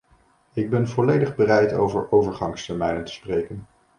Ik ben volledig bereid over overgangstermijnen te spreken.